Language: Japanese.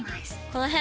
この辺！